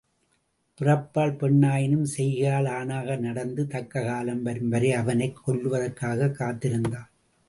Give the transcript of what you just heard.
பிறப்பால் பெண் ஆயினும் செய்கையால் ஆணாக நடந்து தக்க காலம் வரும் வரை அவனைக் கொல்வதற்காகக் காத்து இருந்தாள்.